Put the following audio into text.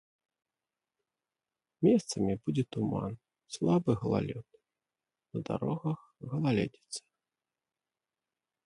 Месцамі будзе туман, слабы галалёд, на дарогах галалёдзіца.